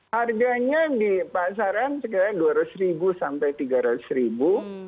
harganya di pasaran sekitar rp dua ratus rp tiga ratus